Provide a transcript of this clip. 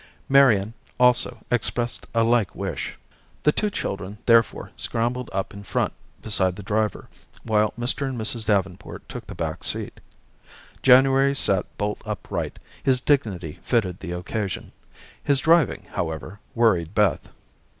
Marian, also, expressed a like wish. The two children, therefore, scrambled up in front beside the driver, while Mr. and Mrs. Davenport took the back seat. January sat bolt upright. His dignity fitted the occasion. His driving, however, worried Beth.